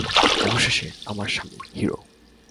অবশেষে, আমার স্বামী, হিরো।